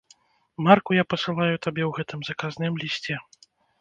Марку я пасылаю табе ў гэтым заказным лісце.